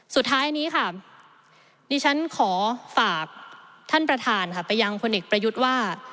สุดท้ายนี้ค่ะดิฉันขอฝากท่านประธานค่ะไปยังพลเอกประยุทธ์ว่า